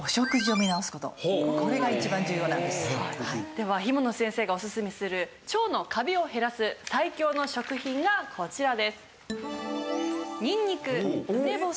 では姫野先生がおすすめする腸のカビを減らす最強の食品がこちらです。